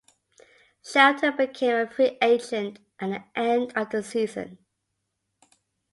Shelton became a free agent at the end of the season.